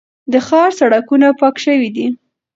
د ښار سړکونه پاک شوي دي.